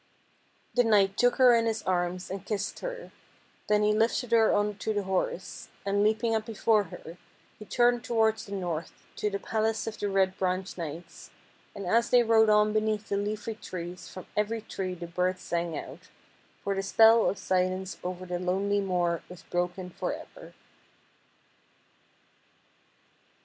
The knight took her in his arms and kissed her ; then he lifted her on to the horse, and, leap ing up before her, he turned towards the north, to the palace of the Red Branch Knights, and as they rode on beneath the leafy trees from every tree the birds sang out, for the spell of silence over the lonely moor was broken for ever.